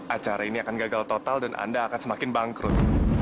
acara ini akan gagal total dan anda akan semakin bangkrut